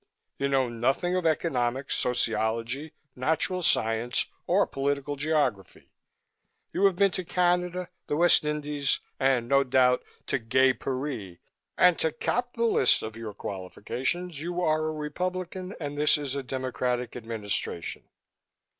You know nothing of economics, sociology, natural science or political geography. You have been to Canada, the West Indies and no doubt to 'Gay Paree,' and to cap the list of your qualifications, you are a Republican and this is a Democratic Administration."